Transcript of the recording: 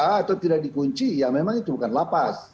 atau tidak dikunci ya memang itu bukan lapas